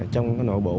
trong cái nội bộ